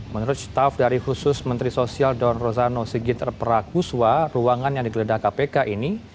menurut staff dari khusus menteri sosial don rozano sigit prakuswa ruangan yang digeledah kpk ini